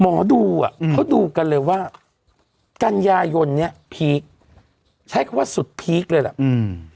หมอดูอ่ะเขาดูกันเลยว่ากันยายนเนี้ยพีคใช้คำว่าสุดพีคเลยแหละอืม